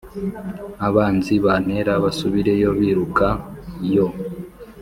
abanzi bantera basubireyo biruka, yo